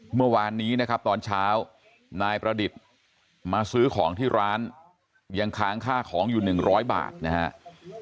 เมื่อวานนี้นะครับตอนเช้านายประดิษฐ์มาซื้อของที่ร้านยังค้างค่าของอยู่๑๐๐บาทนะครับ